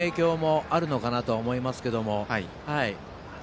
先程のけがの影響もあるのかなと思いますけど。